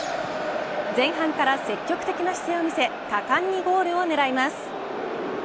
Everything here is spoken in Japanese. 前半から積極的な姿勢を見せ果敢にゴールを狙います。